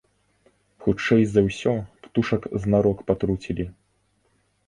Хутчэй за ўсё, птушак знарок патруцілі.